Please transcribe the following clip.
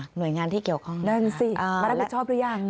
หน่วยงานที่เกี่ยวข้องนั่นสิมารับผิดชอบหรือยัง